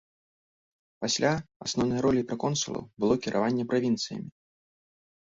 Пасля асноўнай роляй праконсулаў было кіраванне правінцыямі.